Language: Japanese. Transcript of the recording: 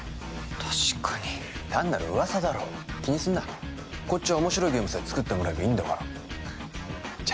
確かに単なる噂だろ気にすんなこっちは面白いゲームさえ作ってもらえばいいんだからじゃ